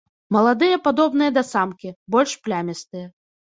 Маладыя падобныя да самкі, больш плямістыя.